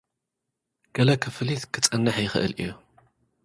ገለ ክፍሊት ክጸንሕ ይኽእል እዩ።